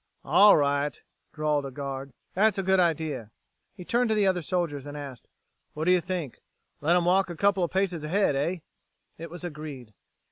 "All right," drawled a guard. "That's a good idea." He turned to the other soldiers, and asked, "What do you think? Let 'em walk a couple of paces ahead, eh?" It was agreed.